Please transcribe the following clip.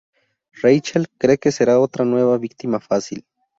Rachael cree que será otra nueva víctima fácil.